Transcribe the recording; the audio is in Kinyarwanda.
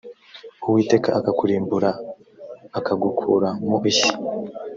uwiteka akakurimbura akagukura mu isi